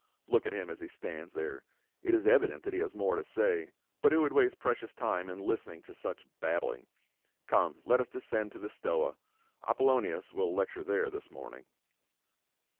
" Look at him as he stands there ; it is evident that he has more to say, but who would waste precious time in listening to such babbling ? Come, let us descend to the Stoa ; Apolonias will lecture there this morning."